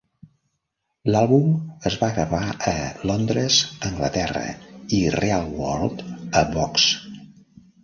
L"Àlbum es va gravar a Londres, Anglaterra, i Real World a Box.